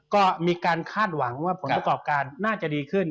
ก็มีการคาดหวังว่าผลประกอบการน่าจะดีขึ้น